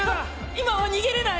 今は逃げれない！